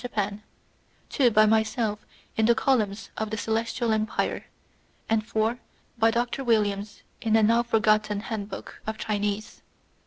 Japan, two by myself in the columns of the Celestial Empire, and four by Dr. Williams in a now forgotten handbook of Chinese.